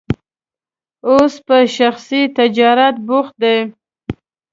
اوس په شخصي تجارت بوخت دی.